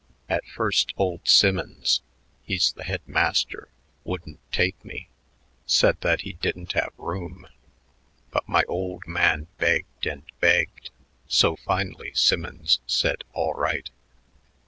At first old Simmonds he's the head master wouldn't take me, said that he didn't have room; but my old man begged and begged, so finally Simmonds said all right."